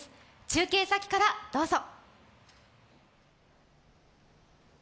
中継先からどうぞ。